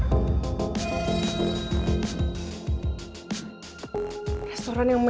aku mau makan di restoran raffles